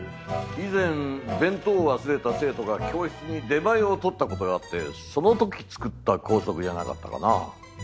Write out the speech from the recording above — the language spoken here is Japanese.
以前弁当を忘れた生徒が教室に出前をとった事があってその時作った校則じゃなかったかな。